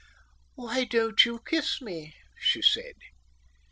"Why don't you kiss me?" she said.